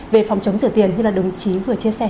về phòng chống rửa tiền như là đồng chí vừa chia sẻ